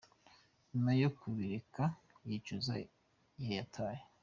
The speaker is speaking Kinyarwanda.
Nyuma yo kubireka yicuza igihe yataye.